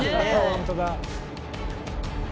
本当だ。